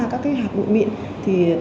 các cái hạt bụi mịn thì